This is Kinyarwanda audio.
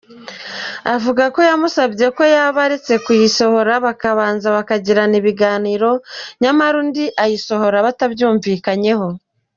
Avuga ko yamusabye ko yaba aretse kuyisohora bakabanza bakagirana ibiganiro nyamara undi ayisohora batabyumvikanyeho.